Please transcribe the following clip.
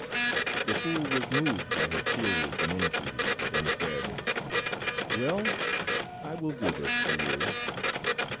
The fool was moved by her tears and entreaties, and said— "Well, I will do this for you."